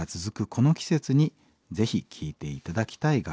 この季節にぜひ聴いて頂きたい楽曲です。